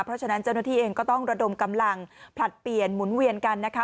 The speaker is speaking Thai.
เพราะฉะนั้นเจ้าหน้าที่เองก็ต้องระดมกำลังผลัดเปลี่ยนหมุนเวียนกันนะคะ